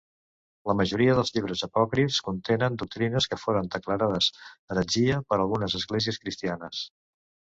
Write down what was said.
La majoria dels llibres apòcrifs contenen doctrines que foren declarades heretgia per algunes esglésies cristianes.